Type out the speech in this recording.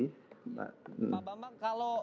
pak bambang kalau